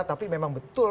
tapi memang betul